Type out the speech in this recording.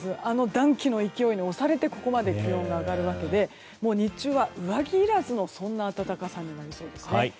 あの暖気の勢いに押されてここまで気温が上がるわけで日中は上着いらずのそんな暖かさになりそうです。